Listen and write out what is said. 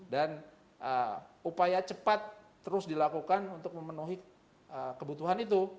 dan upaya cepat terus dilakukan untuk memenuhi kebutuhan itu